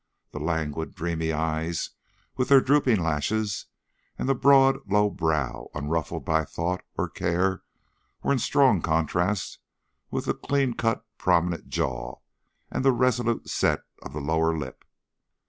The languid, dreamy eyes, with their drooping lashes, and the broad, low brow, unruffled by thought or care, were in strong contrast with the clean cut, prominent jaw, and the resolute set of the lower lip.